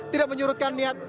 tidak menyurutkan niat